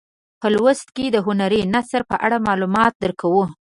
په لوست کې د هنري نثر په اړه معلومات درکوو.